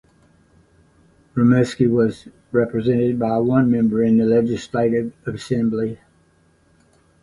Rimouski was represented by one member in the Legislative Assembly.